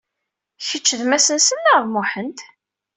Keč d Masensen neɣ d Muḥand?